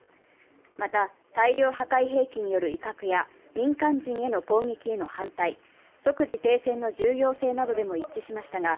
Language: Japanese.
また、大量破壊兵器による威嚇や民間人への攻撃への反対、即時停戦の重要性などでも一致しましたが、